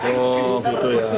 oh gitu ya